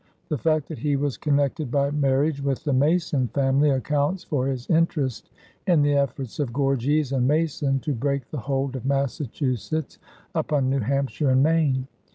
The fact that he was connected by marriage with the Mason family accounts for his interest in the efforts of Gorges and Mason to break the hold of Massachusetts upon New Hampshire and Maine.